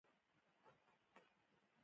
په ځانګړي ډول په پښتنو کي دا لقب ډېر عام شو